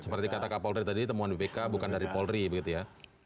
seperti kata kak polri tadi temuan bpk bukan dari polri begitu ya